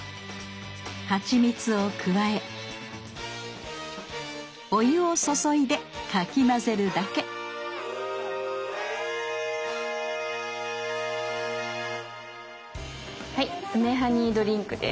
はちみつを加えお湯を注いでかき混ぜるだけはい「梅ハニードリンク」です。